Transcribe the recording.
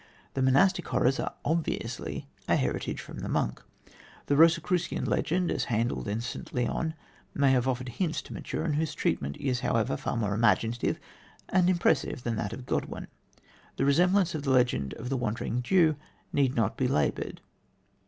The monastic horrors are obviously a heritage from The Monk. The Rosicrucian legend, as handled in St. Leon, may have offered hints to Maturin, whose treatment is, however, far more imaginative and impressive than that of Godwin. The resemblance to the legend of the Wandering Jew need not be laboured.